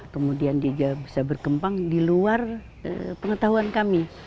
kemudian dia bisa berkembang di luar pengetahuan kami